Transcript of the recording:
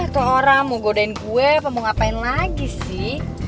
tuh orang mau godain kue apa mau ngapain lagi sih